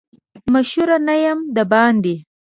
مشرو نه یم دباندي.